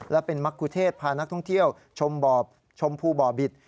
และเป็นมรรคุเทศพานักท่องเที่ยวชมบ่อชมพูบ่อบิต